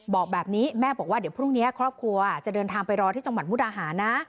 บอกแบบนี้แม่บอกว่าเดี๋ยวพรุ่งนี้ครอบครัวจะเดินทางไปรอที่จังหวัดมุกดาหารนะ